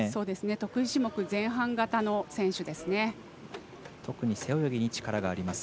得意種目前半型の選手です。